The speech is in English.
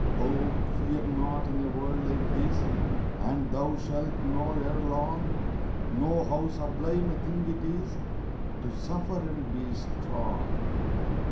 Oh, fear not in a world like this, And thou shalt know ere long, Know how sublime a thing it is To suffer and be strong.